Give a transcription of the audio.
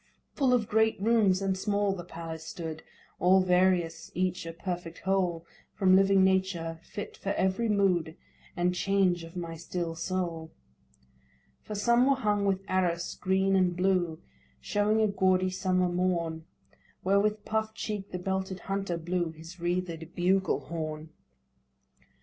Full of great rooms and small the palace stood, All various, each a perfect whole From living Nature, fit for every mood And change of my still soul. For some were hung with arras green and blue, Showing a gaudy summer morn, Where with puff'd cheek the belted hunter blew His wreathed bugle horn.